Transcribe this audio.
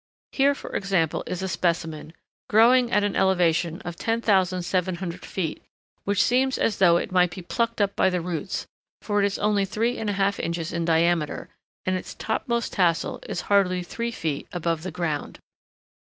Here, for example, is a specimen, growing at an elevation of 10,700 feet, which seems as though it might be plucked up by the roots, for it is only three and a half inches in diameter, and its topmost tassel is hardly three feet above the ground.